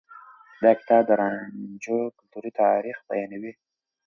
دا کتاب د رانجو کلتوري تاريخ بيانوي.